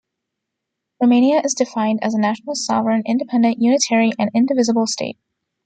Romania is defined as a "national, sovereign, independent, unitary and indivisible state".